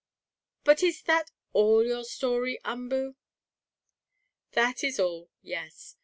But is that all your story, Umboo?" "That is all, yes.